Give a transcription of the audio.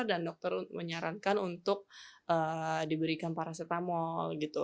dan dokter menyarankan untuk diberikan paracetamol gitu